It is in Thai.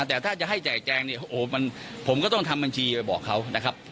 แต่ถ้าจะให้จ่ายแจงผมก็ต้องทำบัญชีไปบอกเขานะครับ